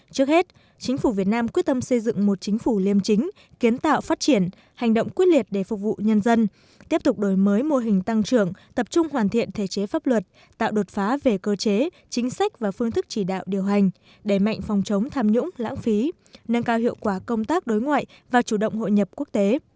trước hết chính phủ việt nam quyết tâm xây dựng một chính phủ liêm chính kiến tạo phát triển hành động quyết liệt để phục vụ nhân dân tiếp tục đổi mới mô hình tăng trưởng tập trung hoàn thiện thể chế pháp luật tạo đột phá về cơ chế chính sách và phương thức chỉ đạo điều hành để mạnh phòng chống tham nhũng lãng phí nâng cao hiệu quả công tác đối ngoại và chủ động hội nhập quốc tế